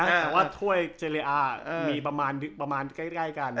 แต่ว่าถ้วยเจเลอามีประมาณใกล้กัน